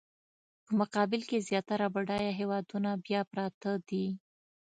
په مقابل کې زیاتره بډایه هېوادونه بیا پراته دي.